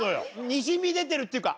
にじみ出てるっていうか。